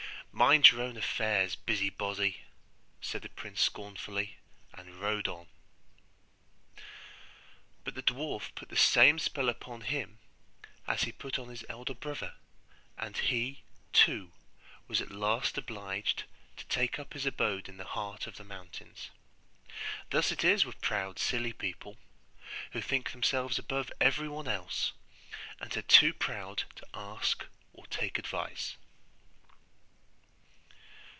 'Mind your own affairs, busybody!' said the prince scornfully, and rode on. But the dwarf put the same spell upon him as he put on his elder brother, and he, too, was at last obliged to take up his abode in the heart of the mountains. Thus it is with proud silly people, who think themselves above everyone else, and are too proud to ask or take advice.